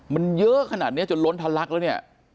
มันเยอะขนาดนี้จนล้นทะลักแล้วเนี่ย